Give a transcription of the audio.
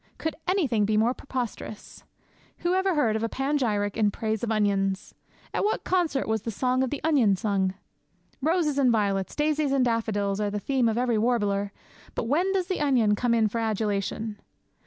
Could anything be more preposterous? Who ever heard a panegyric in praise of onions? At what concert was the song of the onion sung? Roses and violets, daisies and daffodils, are the theme of every warbler; but when does the onion come in for adulation?